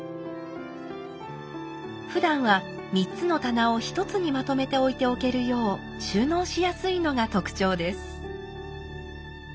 ふだんは３つの棚を一つにまとめて置いておけるよう収納しやすいのが特徴です。